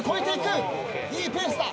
いいペースだ